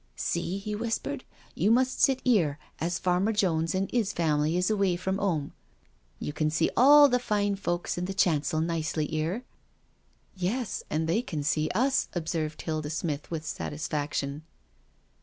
" See," he whispered, " you may sit 'ere, as Farmer Jones and 'is family is away from 'ome — you can see all the fine folks in the chancel nicely 'ere." " Yes, and they can see us," observed Hilda Smith with satisfaction.